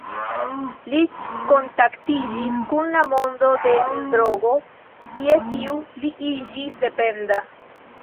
Li kontaktiĝis kun la mondo de l’drogo, je kiu li iĝis dependa.